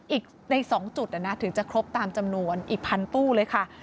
อีกใน๒จุดถึงจะครบตามจำนวนอีกพันตู้เลยค่ะ